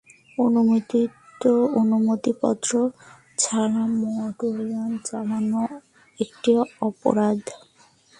অনুমতিপত্র ছাড়া মোটরযান চালনা একটি অপরাধ।